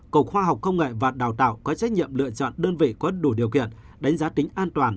cục khoa học công nghệ và đào tạo có trách nhiệm lựa chọn đơn vị có đủ điều kiện đánh giá tính an toàn